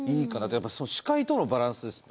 やっぱり視界とのバランスですね。